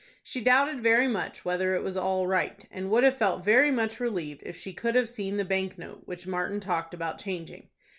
She doubted very much whether it was all right, and would have felt very much relieved if she could have seen the bank note which Martin talked about changing.